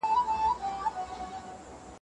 مسلمان دوې وجيبې لري، د دعوت منل او د منکر منع.